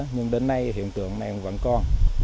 nhưng đến nay hiện tượng này vẫn còn